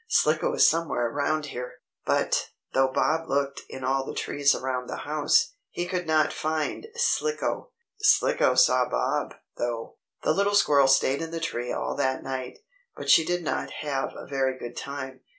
Slicko is somewhere around here!" But, though Bob looked in all the trees around the house, he could not find Slicko. Slicko saw Bob, though. The little squirrel stayed in the tree all that night. But she did not have a very good time.